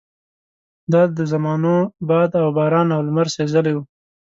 دا د زمانو باد او باران او لمر سېزلي وو.